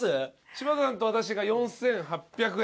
柴田さんと私が４，８００円。